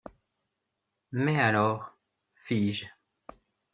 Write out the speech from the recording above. Mais alors...., fis-je.